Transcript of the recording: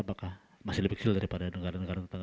apakah masih lebih kecil daripada negara negara tetangga